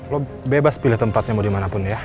lo bebas pilih tempatnya mau dimanapun ya